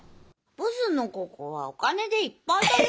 ボスのここはお金でいっぱいだよ。